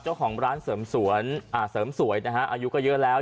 เจ้าของร้านเสริมสศวนเสริมสวยอายุก็เยอะแล้ว